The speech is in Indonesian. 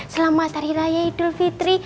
selama hari raya idul fitri